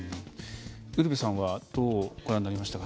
ウルヴェさんはどうご覧になりましたか？